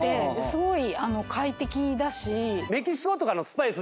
すごい快適だし。